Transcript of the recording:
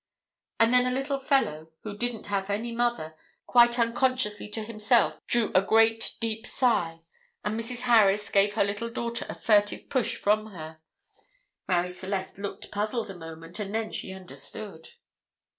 and then a little fellow, who didn't have any mother, quite unconsciously to himself, drew a great deep sigh, and Mrs. Harris gave her little daughter a furtive push from her. Marie Celeste looked puzzled a moment, and then she understood.